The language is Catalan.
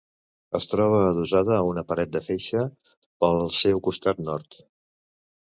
Es troba adossada a una paret de feixa pel seu costat nord.